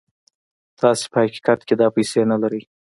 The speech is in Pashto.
تاسې په حقيقت کې دا پيسې نه لرئ.